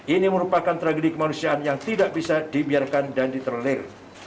ini merupakan tragedi kemanusiaan yang tidak bisa dibiarkan dan diterler